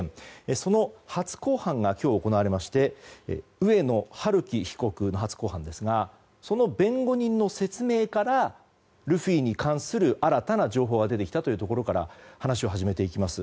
その初公判が今日、行われまして上野晴生被告の初公判ですがその弁護人の説明からルフィに関する新たな情報が出てきたというところから話を始めていきます。